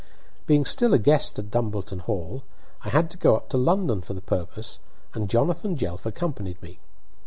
Being still a guest at Dumbleton Hall, I had to go up to London for the purpose and Jonathan Jelf accompanied me.